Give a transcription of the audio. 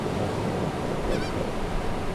এটা দেখো, Russian PP personal assault rifle!